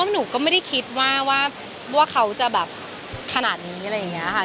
หนูก็ไม่ได้คิดว่าเขาจะแบบขนาดนี้อะไรอย่างนี้ค่ะ